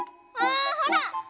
あほら。